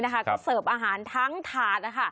ก็เสิร์ฟอาหารทั้งถาด